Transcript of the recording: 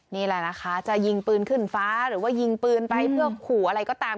นี่แหละนะคะจะยิงปืนขึ้นฟ้าหรือว่ายิงปืนไปเพื่อขู่อะไรก็ตาม